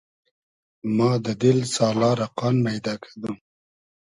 ما دۂ دیل سالا رۂ قان مݷدۂ کیدۉم